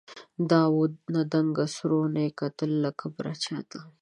دا وه دنګه سروه، نې کتل له کبره چاته